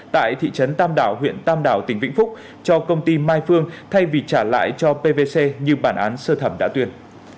tại thị trấn tam đảo huyện tam đảo tỉnh vĩnh phúc cho công ty mai phương thay vì trả lại cho pvc như bản án sơ thẩm đã tuyên